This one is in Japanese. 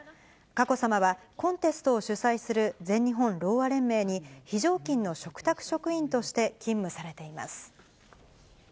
佳子さまは、コンテストを主催する全日本ろうあ連盟に、非常勤の嘱託職員として勤務されています。